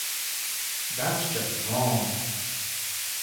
That's just wrong.